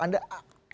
anda evaluasi anda